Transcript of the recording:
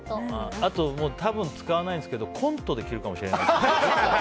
あと多分、使わないんですけどコントで着るかもしれない。